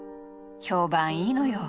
評判いいのよ。